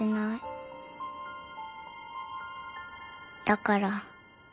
だから。